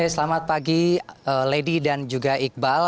selamat pagi lady dan juga iqbal